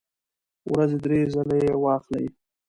ورځې درې ځله یی واخلئ